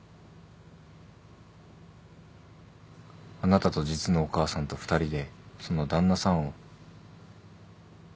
あなたと実のお母さんと２人でその旦那さんを。